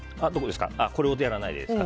これをやらないでですか？